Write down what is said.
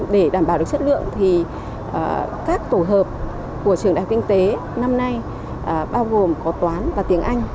để đảm bảo được chất lượng thì các tổ hợp của trường đại học kinh tế năm nay bao gồm có toán và tiếng anh